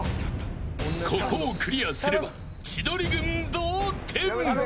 ここをクリアすれば千鳥軍同点。